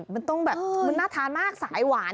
มันต้องแบบมันน่าทานมากสายหวาน